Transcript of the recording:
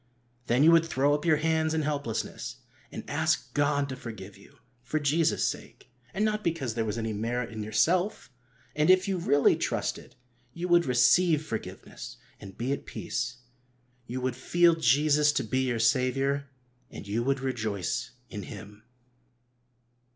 Then you would throw up your hands in helplessness, and ask God to forgive you for Jesus' sake, and not because there was any merit in yourself. And, if you really trusted, you would receive forgiveness, and be at peace. You would feel Jesus to be your Saviour, and you would rejoice in Him.